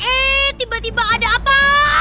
eh tiba tiba ada apa